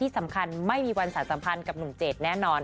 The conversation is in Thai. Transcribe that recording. สำคัญไม่มีวันสารสัมพันธ์กับหนุ่มเจดแน่นอน